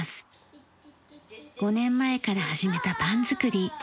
５年前から始めたパンづくり。